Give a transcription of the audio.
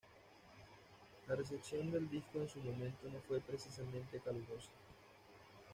La recepción del disco en su momento no fue precisamente calurosa.